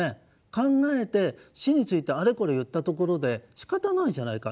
考えて死についてあれこれ言ったところでしかたないじゃないか。